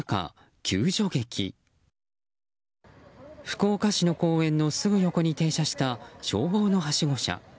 福岡市の公園のすぐ横に停車した消防のはしご車。